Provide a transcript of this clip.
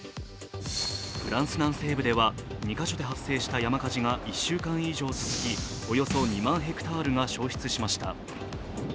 フランス南西部では２カ所で発生した山火事が１週間以上続き、およそ２万ヘクタールが焼失しました。